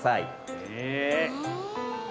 へえ。